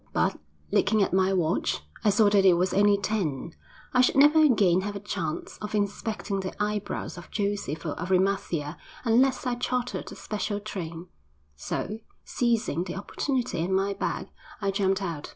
But, looking at my watch, I saw that it was only ten. I should never again have a chance of inspecting the eyebrows of Joseph of Arimathea unless I chartered a special train, so, seizing the opportunity and my bag, I jumped out.